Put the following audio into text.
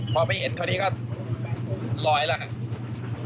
พอไม่เห็นตอนนี้ก็ลอยแล้วค่ะ